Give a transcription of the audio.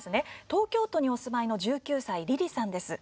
東京都にお住まいの１９歳の方からです。